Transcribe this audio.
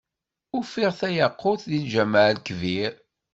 Ufiɣ tayaqut, deg lǧameɛ Lekbir.